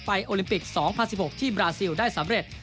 โอลิมปิก๒๐๑๖ที่บราซิลได้สำเร็จ